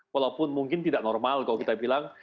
walaupun mungkin tidak normal kalau kita bilang